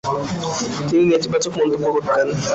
তিনি নেতিবাচক মন্তব্য করতেন।